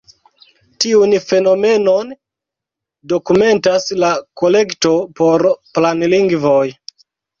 Tiun fenomenon dokumentas la Kolekto por Planlingvoj.